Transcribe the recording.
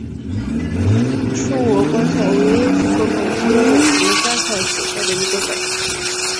秋鹅观草为禾本科鹅观草属下的一个种。